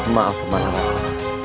maaf pemanah rasa